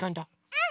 うん！